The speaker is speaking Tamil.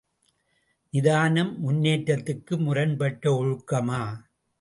நிதானம் முன்னேற்றத்துக்கு முரண்பட்ட ஒழுக்கமா?